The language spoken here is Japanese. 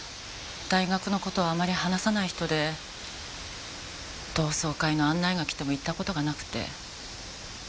大学の事はあまり話さない人で同窓会の案内がきても行った事がなくて。